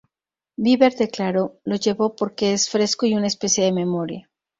Bieber declaró: "Lo llevó porque es fresco y una especie de memoria".